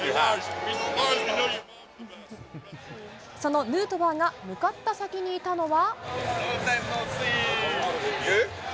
そのヌートバーが向かった先にいたのは。